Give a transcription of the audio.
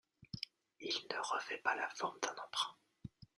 Il ne revêt pas la forme d'un emprunt.